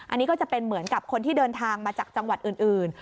อันนี้ก็จะเป็นเหมือนกับคนที่เดินทางมาจากจังหวัดอื่น